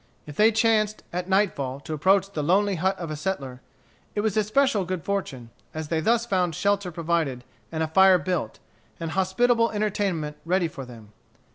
If they chanced, at nightfall, to approach the lonely hut of a settler, it was especial good fortune, as they thus found shelter provided, and a fire built, and hospitable entertainment ready for them.